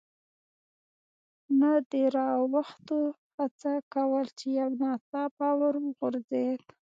نه د را اوښتو هڅه کول، چې یو ناڅاپه ور وغورځېد.